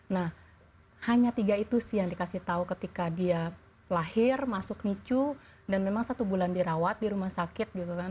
nah hanya tiga itu sih yang dikasih tahu ketika dia lahir masuk nicu dan memang satu bulan dirawat di rumah sakit gitu kan